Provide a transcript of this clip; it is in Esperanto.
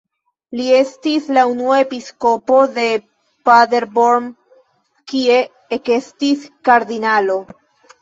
Li estis la unua episkopo de Paderborn kiu ekestis kardinalo.